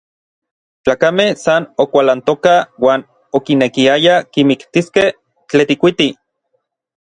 Tlakamej san okualantokaj uan okinekiayaj kimiktiskej Tetlikuiti.